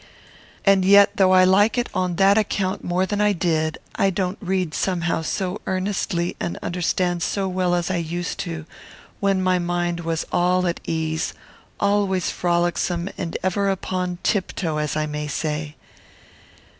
And yet, though I like it on that account more than I did, I don't read somehow so earnestly and understand so well as I used to do when my mind was all at ease, always frolicsome, and ever upon tiptoe, as I may say.